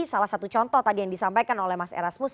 salah satu contoh tadi yang disampaikan oleh mas erasmus